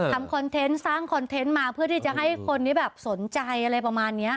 คอนเทนต์สร้างคอนเทนต์มาเพื่อที่จะให้คนนี้แบบสนใจอะไรประมาณนี้